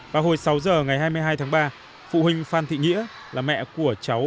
vào hồi sáu giờ ngày hai mươi hai tháng ba phụ huynh phan thị nghĩa là mẹ của cháu